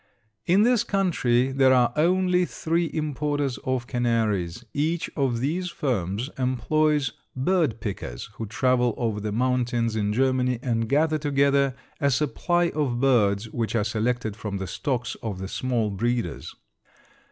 In this country there are only three importers of canaries. Each of these firms employs "bird pickers" who travel over the mountains in Germany and gather together a supply of birds which are selected from the stocks of the small breeders.